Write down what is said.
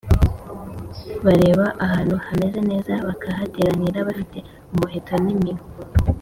bareba ahantu hameze neza bakahateranira bafite umuheto n’impiru,